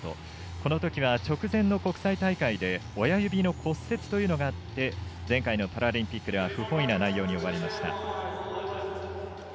このときは、直前の国際大会で親指の骨折があって前回のパラリンピックでは不本意な内容に終わりました。